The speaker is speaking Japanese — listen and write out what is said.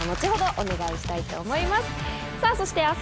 そして。